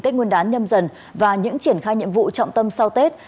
tết nguyên đán nhâm dần và những triển khai nhiệm vụ trọng tâm sau tết